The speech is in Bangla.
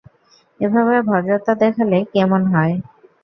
এভাবে ভদ্রতা দেখালে কেমন হয়?